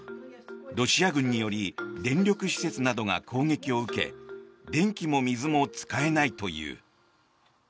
ロシア軍により電力施設などが攻撃を受け電気も水も使えないという。